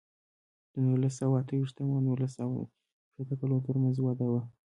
د نولس سوه اته ویشت او نولس سوه شپېته کلونو ترمنځ وده وه.